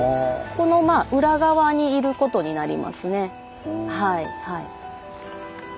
この裏側にいることになりますね。